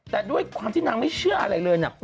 แต่ด้วยความที่นางไม่เชื่ออะไรเลยนะ